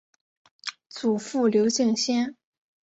祖父刘敬先。